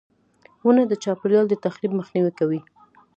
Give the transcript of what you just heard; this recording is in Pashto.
• ونه د چاپېریال د تخریب مخنیوی کوي.